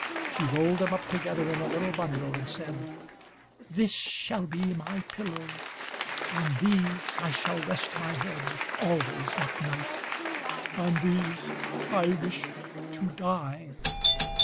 She rolled them up together in a little bundle, and said: "This shall be my pillow; on these I shall rest my head, always, at night; on these I wish to die."